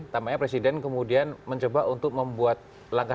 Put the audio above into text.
tampaknya presiden kemudian mencoba untuk membuat langkah